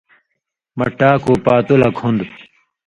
مہ ٹاکُو پاتُولک ہُوندوۡ۔